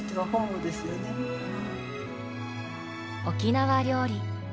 沖縄料理。